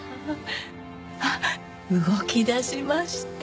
あっ動き出しました。